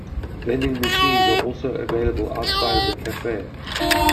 Vending Machines are also available outside of the Cafe.